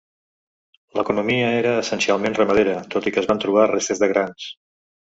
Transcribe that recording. L'economia era essencialment ramadera, tot i que es van trobar restes de grans.